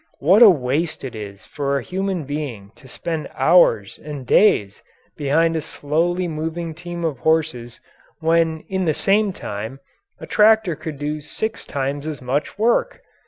What a waste it is for a human being to spend hours and days behind a slowly moving team of horses when in the same time a tractor could do six times as much work!